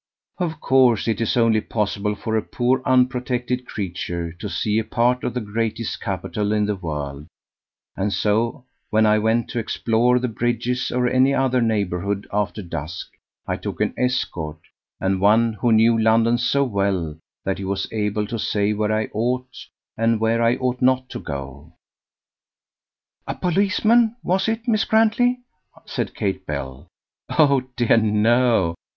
Of course it is only possible for a poor unprotected creature to see a part of the greatest capital in the world; and so when I went to explore the bridges or any other neighbourhood after dusk I took an escort, and one who knew London so well that he was able to say where I ought and where I ought not to go." "A policeman, was it, Miss Grantley?" said Kate Bell. "Oh, dear! no.